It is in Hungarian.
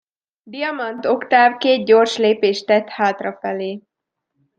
Diamant Oktáv két gyors lépést tett hátrafelé.